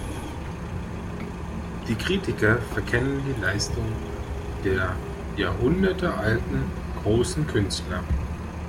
Die Kritiker verkennen die Leistungen der jahrhundertealten, großen Künstler.